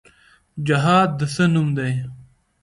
جهاد د څه نوم دی؟